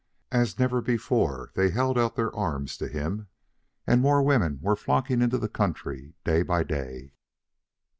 As never before they held out their arms to him, and more women were flocking into the country day by day.